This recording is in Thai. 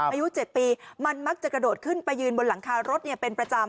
อายุ๗ปีมันมักจะกระโดดขึ้นไปยืนบนหลังคารถเป็นประจำ